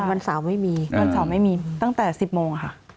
วันเสาร์ไม่มีตั้งแต่๑๐โมงค่ะ